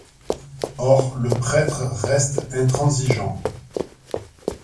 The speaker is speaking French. Or le prêtre reste intransigeant.